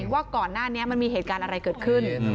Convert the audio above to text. ว่าก่อนหน้านี้มันมีเหตุการณ์อะไรเกิดขึ้น